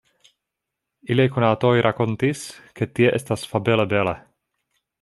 Iliaj konatoj rakontis, ke tie estas fabele bele.